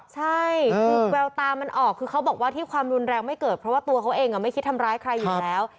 ใช่คือแววตามันออกคือเขาบอกว่าที่ความรุนแรงไม่เกิดเพราะว่าตัวเขาเองไม่คิดทำร้ายใครอยู่แล้ว